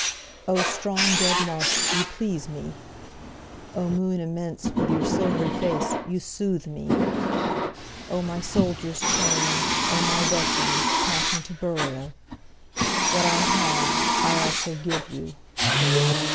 8O strong dead march, you please me!O moon immense, with your silvery face you soothe me!O my soldiers twain! O my veterans, passing to burial! What I have I also give you.